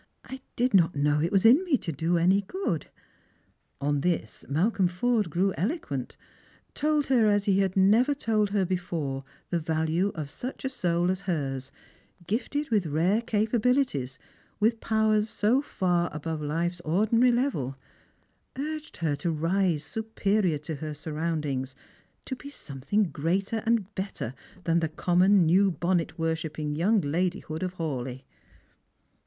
" I did not know it was in me to do any good." On this Malcolm Forde grew eloquent, told her as he had never told her before the value of such a soul as hers, gifted with rare capabilities, with powers so far above life's ordinary level; urged her to rise superior to her surroundings, to be something greater and bettor than the common uew bonnet worshipping young ladyhood of Hawleigh.